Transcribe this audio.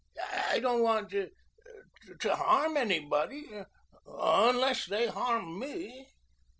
"I don't want to to to harm anybody unless they harm me."